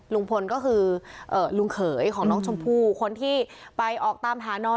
ลุงพลก็คือลุงเขยของน้องชมพู่คนที่ไปออกตามหาน้อง